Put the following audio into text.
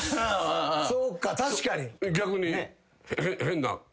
そうか確かに。